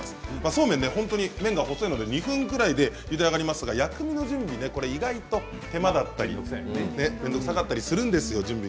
そうめんは麺が細いので２分ぐらいでゆで上がりますが薬味の準備、意外と手間だったり面倒くさかったりするんですよね。